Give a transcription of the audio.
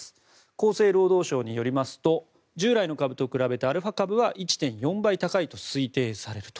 厚生労働省によりますと従来の株と比べてアルファ株は１．４倍高いと推定されると。